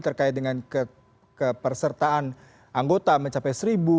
terkait dengan kepersertaan anggota mencapai seribu